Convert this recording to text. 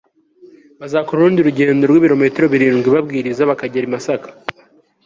bazakora urundi rugendo rw'ibirometero birindwi babwiriza bakagera i masaka